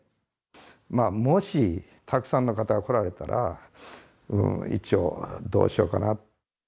まあ、もしたくさんの方が来られたら、一応、どうしようかなと。